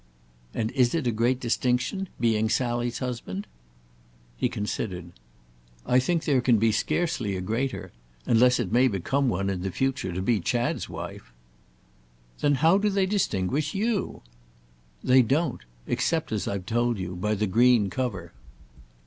"And is it a great distinction—being Sally's husband?" He considered. "I think there can be scarcely a greater—unless it may become one, in the future, to be Chad's wife." "Then how do they distinguish you?" "They don't—except, as I've told you, by the green cover."